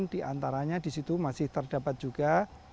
di antaranya di situ masih terdapat juga